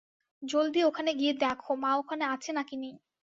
জলদি ওখানে গিয়ে দেখো মা ওখানে আছে না কি নেই।